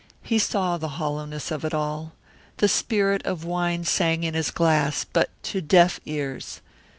He saw the hollowness of it all. The spirit of wine sang in his glass but to deaf ears.